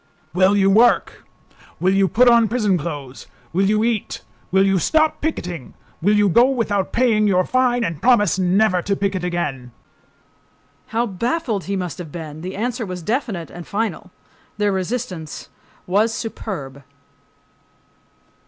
"Will you work?"—"Will you put on prison clothes?"—"Will you eat?"—"Will you stop picketing?"—"Will you go without paying your fine and promise never to picket again?" How baffled he must have been! The answer was definite and final. Their resistance was superb.